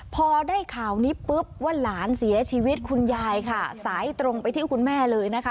พอได้ข่าวนี้ปุ๊บว่าหลานเสียชีวิตคุณยายค่ะสายตรงไปที่คุณแม่เลยนะคะ